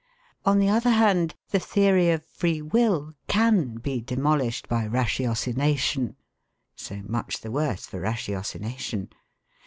On the other hand, the theory of free will can be demolished by ratiocination! So much the worse for ratiocination!